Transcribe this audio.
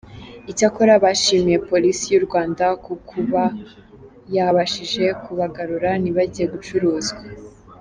Icyakora bashimiye Polisi y’u Rwanda ku kuba yabashije kubagarura ntibajye gucuruzwa.